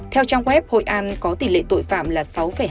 theo trang web hội an có tỷ lệ tội phạm là sáu hai mươi năm